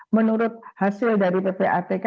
menurut hasil dari ppatk